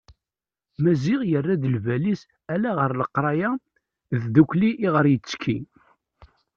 Maziɣ yerra lbal-is ala ɣer leqraya d tdukkli iɣer ittekki.